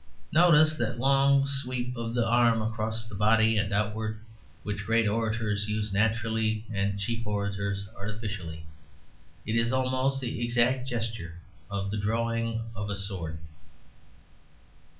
Notice that long sweep of the arm across the body and outward, which great orators use naturally and cheap orators artificially. It is almost the exact gesture of the drawing of a sword.